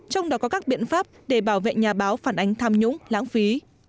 trong đó có các biện pháp để bảo vệ nhà báo phản ánh tham nhũng lãng phí